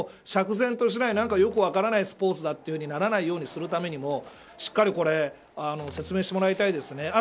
何か、釈然としないよく分からないスポーツだとならないようにするためにもしっかり説明してもらいたいですね。